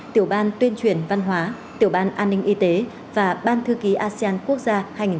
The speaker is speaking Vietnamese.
tiểu ban tuyên truyền văn hóa tiểu ban an ninh y tế và ban thư ký asean quốc gia hai nghìn hai mươi